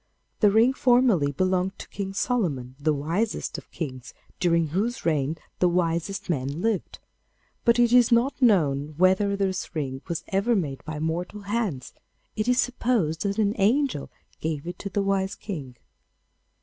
The ring formerly belonged to King Solomon, the wisest of kings, during whose reign the wisest men lived. But it is not known whether this ring was ever made by mortal hands: it is supposed that an angel gave it to the wise King.